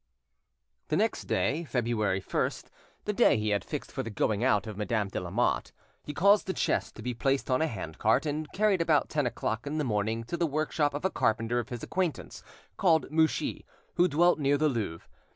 The next day, February 1st, the day he had fixed for the "going out" of Madame de Lamotte, he caused the chest to be placed on a hand cart and carried at about ten o'clock in the morning to the workshop of a carpenter of his acquaintance called Mouchy, who dwelt near the Louvre.